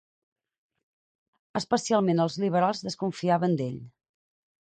Especialment els liberals desconfiaven d'ell.